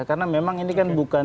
karena memang ini kan bukan